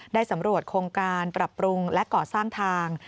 ได้สำรวจโครงการปรับปรุงและก่อสร้างทาง